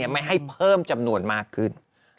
ไม่ให้เพิ่มจำนวนมากขึ้น